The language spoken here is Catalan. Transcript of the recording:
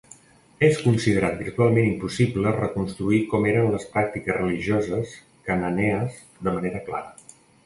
És considerat virtualment impossible reconstruir com eren les pràctiques religioses cananees de manera clara.